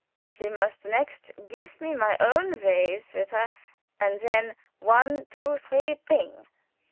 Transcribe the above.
She must next gif me my own ways with her and then one, two, three ping!